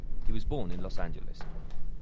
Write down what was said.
He was born in Los Angeles.